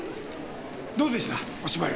どうでしたお芝居は？